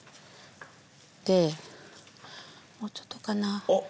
でもうちょっとかな？あっ！